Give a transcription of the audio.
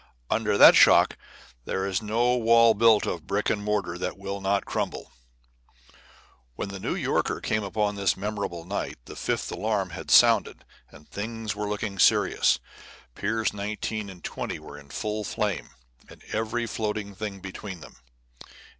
Under that shock there is no wall built of brick and mortar that will not crumble. When the New Yorker came up on this memorable night the fifth alarm had sounded and things were looking serious. Piers 19 and 20 were in full flame, and every floating thing between them.